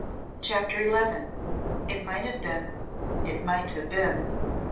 CHAPTER XI "_It Might Have Been It Might Have Been!